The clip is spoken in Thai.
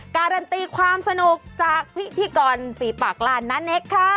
การันตีความสนุกจากพิธีกรปีปากลานนาเน็กค่ะ